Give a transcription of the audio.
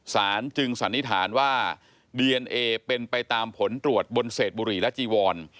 จึงสันนิษฐานว่าดีเอนเอเป็นไปตามผลตรวจบนเศษบุหรี่และจีวอน